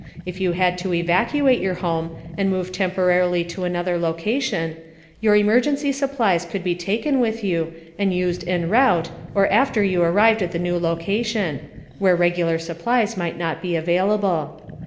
If you had to evacuate your home and move temporarily to another location, your emergency supplies could be taken with you and used en route or after you arrived at the new location (where regular supplies might not be available).